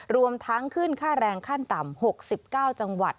รวมทั้งขึ้นค่าแรงขั้นต่ำ๖๙จังหวัด